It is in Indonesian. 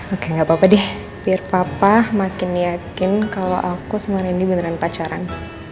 oke gapapa deh biar papa makin yakin kalo aku sama rendy beneran pacaran